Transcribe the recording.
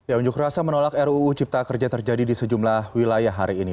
ya unjuk rasa menolak ruu cipta kerja terjadi di sejumlah wilayah hari ini